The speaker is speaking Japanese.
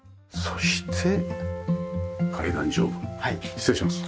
失礼します。